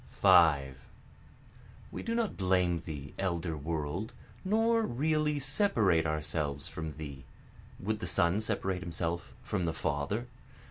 5 We do not blame thee elder World, nor really separate ourselves from thee, (Would the son separate himself from the father?)